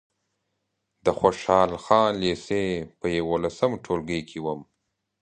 د خوشحال خان لېسې په یولسم ټولګي کې وم.